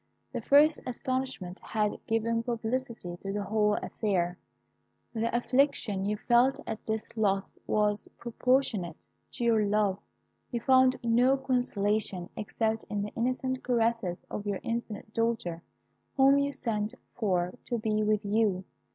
The first astonishment had given publicity to the whole affair. The affliction you felt at this loss was proportionate to your love; you found no consolation except in the innocent caresses of your infant daughter, whom you sent for to be with you.